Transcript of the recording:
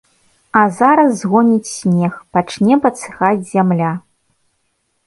А зараз згоніць снег, пачне падсыхаць зямля.